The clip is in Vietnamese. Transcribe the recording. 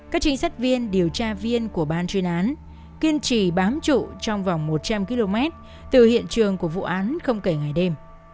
các trinh sát viên điều tra viên của ban chuyên án kiên trì bám trụ trong vòng một trăm linh km từ hiện trường của vụ án không kể ngày đêm